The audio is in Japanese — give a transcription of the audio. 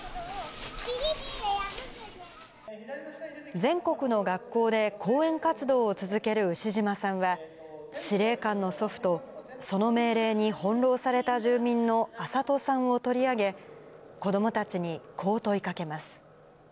全国の学校で講演活動を続ける牛島さんは、司令官の祖父と、その命令に翻弄された住民の安里さんを取り上げ、子どもたちにこう問いかけます。